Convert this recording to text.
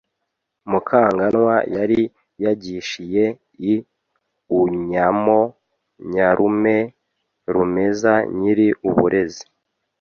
Mukanganwa Yari yagishiye i unyamo Nyarume Rumeza nyiri uburezi